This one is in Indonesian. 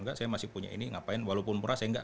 saya masih punya ini ngapain walaupun murah saya enggak